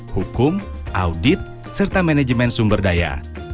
hukum audit serta manajemen sumber daya